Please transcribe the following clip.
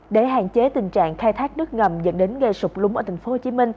để hạn chế tình trạng khai thác nước ngầm dẫn đến gây sụp lúng ở tp hcm